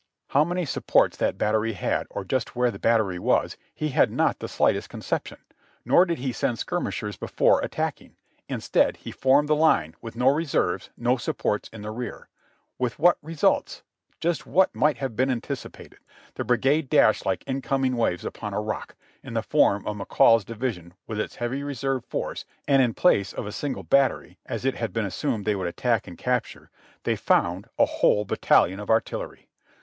How many supports that battery had or just where the battery was, he had not the slightest conception, nor did he send skirmishers before attacking; instead, he formed the line, with no reserves, no sup ports in the rear. With what results? Just what might have been anticipated: the brigade dashed like incoming waves upon a rock, in the form of McCall's division with its heavy reserve force, and in place of a single battery (as it had been assumed they would attack and capture), they found — a whole battalion of artillery.